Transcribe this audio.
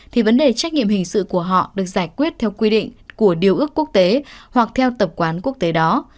thì vấn đề trách nhiệm hình sự của họ được giải quyết theo quy định của điều ước quốc tế hoặc theo tập quán quốc tế đó